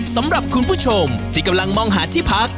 สำหรับคุณผู้ชมที่กำลังมองหาที่พัก